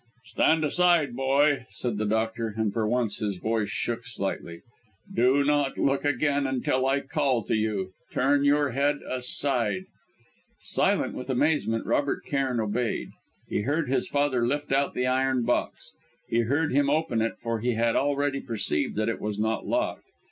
"Stand aside, boy," said the doctor and for once his voice shook slightly. "Do not look again until I call to you. Turn your head aside!" Silent with amazement, Robert Cairn obeyed. He heard his father lift out the iron box. He heard him open it, for he had already perceived that it was not locked.